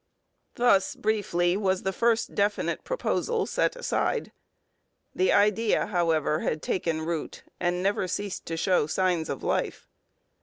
Thus briefly was the first definite proposal set aside. The idea, however, had taken root and never ceased to show signs of life.